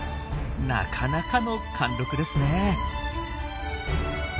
なかなかの貫禄ですね。